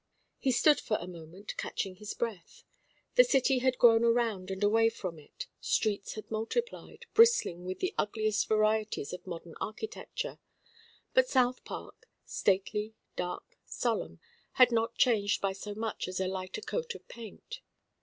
He stood for a moment, catching his breath. The city had grown around and away from it; streets had multiplied, bristling with the ugliest varieties of modern architecture; but South Park, stately, dark, solemn, had not changed by so much as a lighter coat of paint.